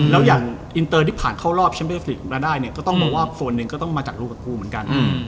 แล้วอย่างอินเตอร์ที่ผ่านเข้ารอบแชมเปอร์ฟิกมาได้เนี่ยก็ต้องมองว่าส่วนหนึ่งก็ต้องมาจากลูกกับกูเหมือนกัน